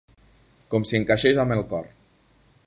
Com si encaixés amb el cor.